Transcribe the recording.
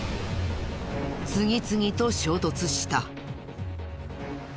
次々と衝突した。